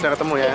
sudah ketemu ya